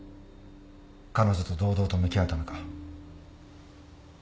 彼女と堂々と向き合うためか？